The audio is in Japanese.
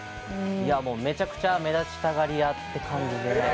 めちゃくちゃ目立ちがり屋って感じで。